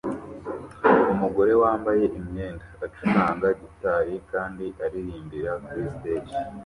Umugore wambaye imyenda acuranga gitari kandi aririmbira kuri stage